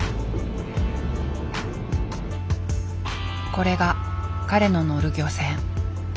これが彼の乗る漁船。